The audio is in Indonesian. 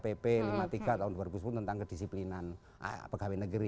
pp lima puluh tiga tahun dua ribu sepuluh tentang kedisiplinan pegawai negeri